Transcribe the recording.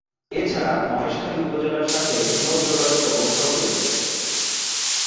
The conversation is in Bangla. এছাড়া মহেশখালী উপজেলার সাথে নৌ-যোগাযোগ ব্যবস্থাও রয়েছে।